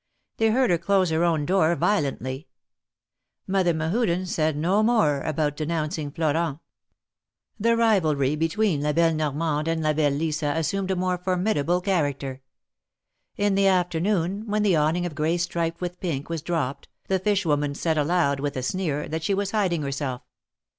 They heard her close her own door violently. Mother Mehuden said no more about denouncing Florent. The rivalry between La belle Normande and La belle Lisa assumed a more formidable character. In the after noon, when the awning of gray striped with pink was dropped, the fish woman said aloud, with a sneer, that she was hiding herself.